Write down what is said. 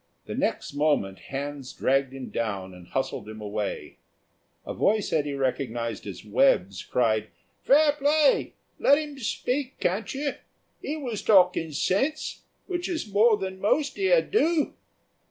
The next moment hands dragged him down and hustled him away. A voice Eddy recognised as Webb's cried, "Fair play; let 'im speak, can't you. 'E was talking sense, which is more than most here do."